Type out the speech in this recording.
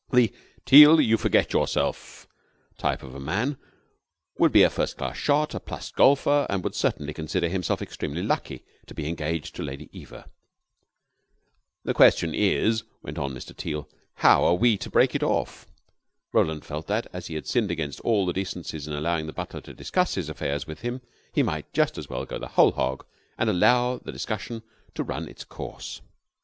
The "Teal, you forget yourself" type of man would be a first class shot, a plus golfer, and would certainly consider himself extremely lucky to be engaged to Lady Eva. "The question is," went on Mr. Teal, "how are we to break it off?" Roland felt that, as he had sinned against all the decencies in allowing the butler to discuss his affairs with him, he might just as well go the whole hog and allow the discussion to run its course.